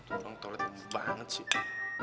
tuh tolet gue banget sih